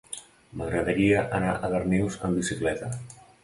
M'agradaria anar a Darnius amb bicicleta.